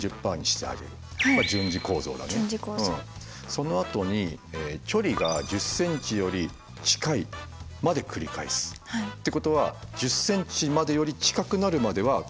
そのあとに距離が１０ｃｍより近いまで繰り返すってことは１０ｃｍまでより近くなるまでは繰り返し続けますよ